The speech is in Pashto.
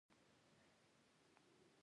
د حاصلاتو دریمه برخه اخیستله.